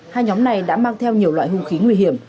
hai nhóm này đã mang theo nhiều loại hung khí nguy hiểm